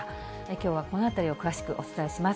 きょうはこのあたりを詳しくお伝えします。